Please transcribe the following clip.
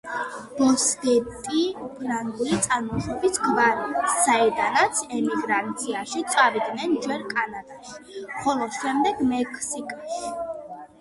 ბოსდეტი ფრანგული წარმოშობის გვარია, საიდანაც ემიგრაციაში წავიდნენ ჯერ კანადაში, ხოლო შემდეგ მექსიკაში.